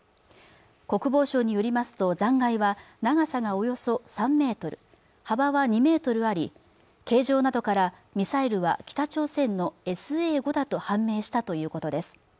国防省によりますと残骸は長さがおよそ３ｍ幅は２ｍあり形状などからミサイルは北朝鮮のＳＡ−５だと判明したということです